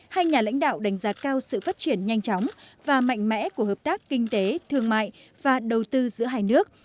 hai nhà lãnh đạo đánh giá cao sự phát triển nhanh chóng và mạnh mẽ của hợp tác kinh tế thương mại và đầu tư giữa hai nước